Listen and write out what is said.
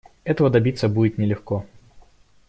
Этого добиться будет нелегко.